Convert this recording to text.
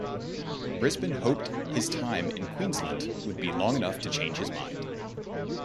Brisbane hoped his time in Queensland would be long enough to change his mind.